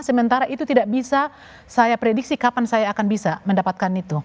sementara itu tidak bisa saya prediksi kapan saya akan bisa mendapatkan itu